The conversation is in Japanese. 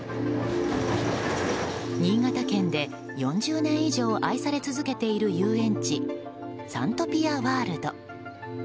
新潟県で４０年以上愛され続けている遊園地サントピアワールド。